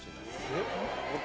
えっ？